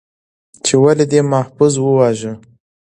، چې ولې دې محفوظ وواژه؟